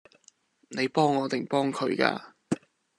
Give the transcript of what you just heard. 你幫我定幫佢㗎？